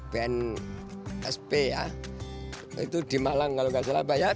bnsp ya itu di malang kalau tidak salah